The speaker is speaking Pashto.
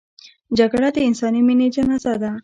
جګړه د انساني مینې جنازه ده